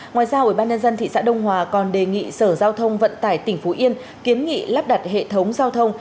ngoài ra ubnd thị xã đông hòa còn đề nghị sở giao thông vận tải tỉnh phú yên kiến nghị lắp đặt hệ thống giao thông